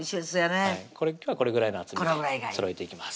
今日はこれぐらいの厚みでそろえていきます